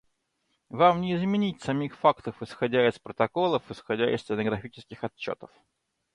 Вам не изменить самих фактов исходя из протоколов, исходя из стенографических отчетов.